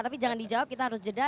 tapi jangan dijawab kita harus jeda